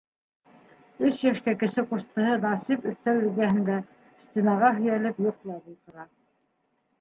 Өс йәшкә кесе ҡустыһы Насип өҫтәл эргәһендә, стенаға һөйәлеп, йоҡлап ултыра.